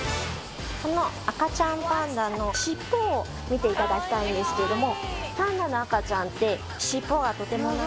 この赤ちゃんパンダのしっぽを見ていただきたいんですけれども。